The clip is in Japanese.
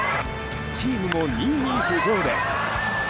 チームも２位に浮上です。